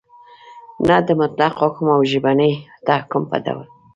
نه د مطلق حکم او ژبني تحکم په ډول